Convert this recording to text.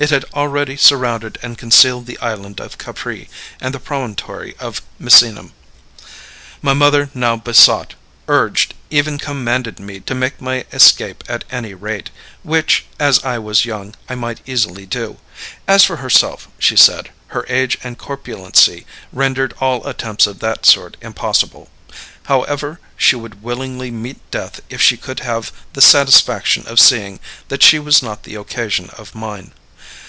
It had already surrounded and concealed the island of Capri and the promontory of Misenum. My mother now besought, urged, even commanded me to make my escape at any rate, which, as I was young, I might easily do; as for herself, she said, her age and corpulency rendered all attempts of that sort impossible; however, she would willingly meet death if she could have the satisfaction of seeing that she was not the occasion of mine.